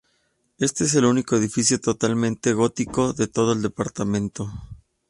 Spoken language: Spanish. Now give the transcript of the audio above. Este es el único edificio totalmente gótico de todo el departamento.